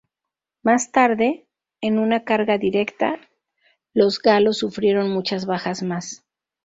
Más tarde, en una carga directa, los galos sufrieron muchas bajas más.